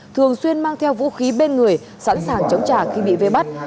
thường xuyên mang theo vũ khí bên người sẵn sàng chống trả khi bị vây bắt